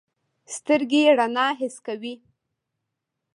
سترګې رڼا حس کوي.